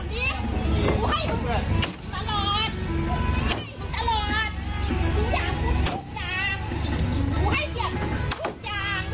มึงไม่พามันไปกินน้ำเย็นที่บ้านกูเลย